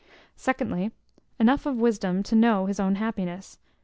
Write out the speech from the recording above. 2ndly, Enough of wisdom to know his own happiness.